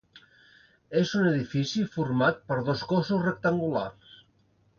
És un edifici format per dos cossos rectangulars.